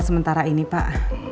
sementara ini pak